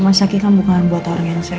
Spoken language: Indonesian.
rumah sakit kan bukan buat orang yang sehat mas